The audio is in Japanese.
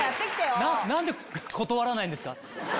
何で断らないんですか？